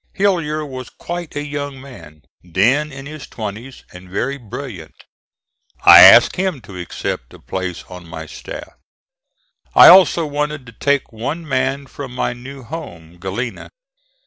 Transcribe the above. Hillyer was quite a young man, then in his twenties, and very brilliant. I asked him to accept a place on my staff. I also wanted to take one man from my new home, Galena.